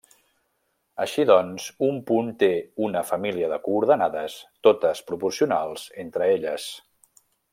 Així doncs, un punt té una família de coordenades totes proporcionals entre elles.